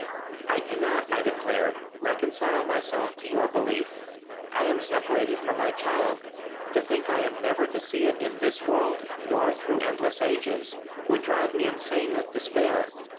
"I cannot," I declared, "reconcile myself to your belief. I am separated from my child. To think I am never to see it in this world, nor through endless ages, would drive me insane with despair.